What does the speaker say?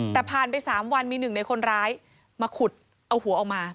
แต่ผ่านไป๓วันมีหนึ่งในคนร้ายมาขุดเอาหัวออกมา